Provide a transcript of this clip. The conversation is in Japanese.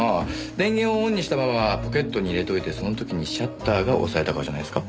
電源をオンにしたままポケットに入れといてその時にシャッターが押されたからじゃないですか？